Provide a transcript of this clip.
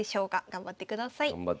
頑張ってください。